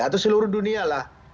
atau seluruh dunia lah